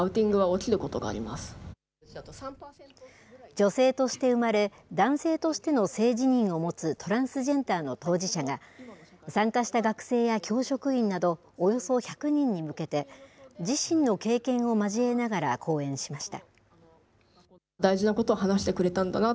女性として生まれ、男性としての性自認を持つトランスジェンダーの当事者が、参加した学生や教職員などおよそ１００人に向けて、自身の経験を交えながら講演しました。